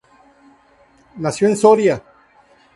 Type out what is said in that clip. Nació en Soria.